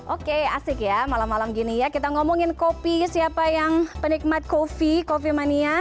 oke asik ya malam malam gini ya kita ngomongin kopi siapa yang penikmat kopi kopi mania